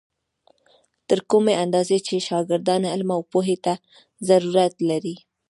تر کومې اندازې چې شاګردان علم او پوهې ته ضرورت لري.